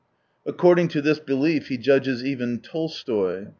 According to this belief he judges even Tolstoy.